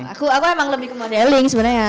aku aku emang lebih ke modeling sebenarnya